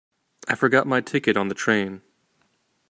I forgot my ticket on the train.